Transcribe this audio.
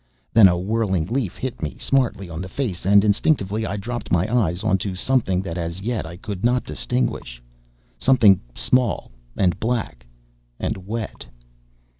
Then a whirling leaf hit me smartly on the face, and instinctively I dropped my eyes on to something that as yet I could not distinguish—something small and black and wet.